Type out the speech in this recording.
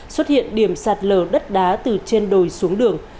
xuất hiện điểm sạt lở đất đá từ trên đồi xuống đường